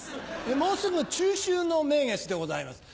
もうすぐ中秋の名月でございます。